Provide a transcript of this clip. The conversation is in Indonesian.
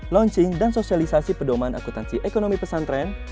launching dan sosialisasi pedoman akutansi ekonomi pesantren